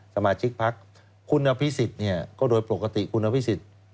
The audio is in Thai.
สมาชิกพักคุณพิสิทธิ์เนี้ยก็โดยปกติคุณพิสิทธิ์